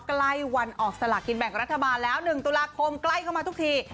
ใกล้วันออกสลากกินแบ่งรัฐบาลแล้ว๑ตุลาคมใกล้เข้ามาทุกที